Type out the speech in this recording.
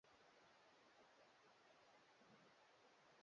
Shairi hiyo ni ndefu sana.